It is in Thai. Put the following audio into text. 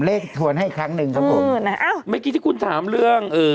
เลขถวนให้อีกครั้งหนึ่งครับผมอืมน่ะเอ้าเมื่อกี้ที่คุณถามเรื่องเอ่อ